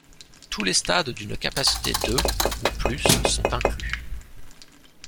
Tous les stades d'une capacité de ou plus sont inclus.